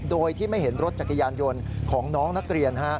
โดยที่ไม่เห็นรถจักรยานยนต์ของน้องนักเรียน